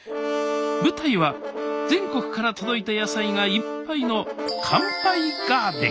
舞台は全国から届いた野菜がいっぱいの「乾杯ガーデン」。